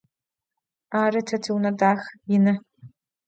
Arı, te tiune daxe, yinı.